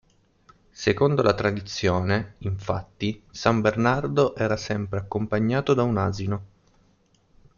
Secondo la tradizione, infatti, San Bernardo era sempre accompagnato da un asino.